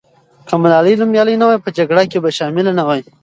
که ملالۍ نومیالۍ نه وای، نو په جګړه کې به شامله نه وای.